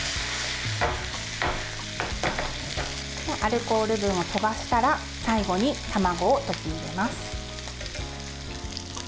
アルコール分をとばしたら最後に卵を溶き入れます。